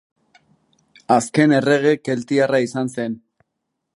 Azken errege keltiarra izan zen.